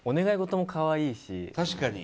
確かに！